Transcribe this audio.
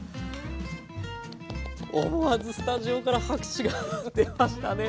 思わずスタジオから拍手が出ましたね！